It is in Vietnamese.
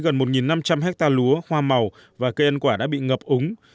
gần một năm trăm linh hectare lúa hoa màu và cây ăn quả đã bị ngập úng